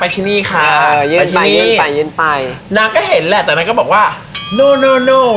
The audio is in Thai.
โชว์แล้วแหละ